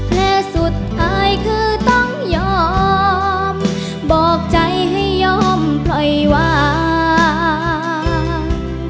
และสุดท้ายคือต้องยอมบอกใจให้ยอมปล่อยวาง